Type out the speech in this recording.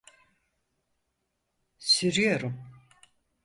Sürüyorum.